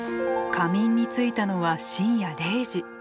仮眠についたのは深夜０時。